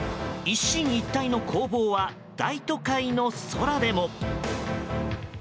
一進一退の攻防は大都会の空でも。